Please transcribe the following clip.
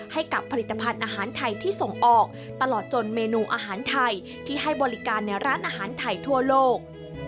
ให้กับผลิตภัณฑ์อาหารไทยที่ส่งออกตลอดจนเมนูอาหารไทยที่ให้บริการในร้านอาหารไทยทั่วโลก